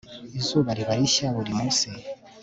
izuba riba rishya buri munsi